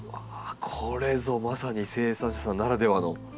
これぞまさに生産者さんならではのテクニック。